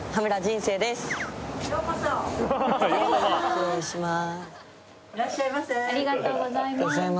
失礼します